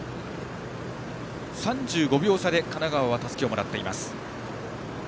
３５秒差で神奈川はたすきをもらっています。